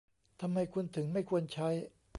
ทำไมคุณถึงไม่ควรใช้